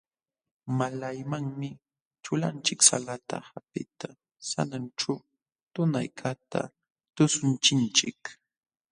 Malaymanmi ćhulanchik salata hapiqta sananćhu tunaykaqta tuśhuchinchik.